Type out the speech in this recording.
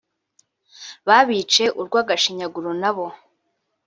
Babice urwagashinyaguro nabo